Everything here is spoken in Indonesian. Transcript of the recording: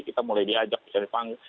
kita mulai diajak bisa dipanggil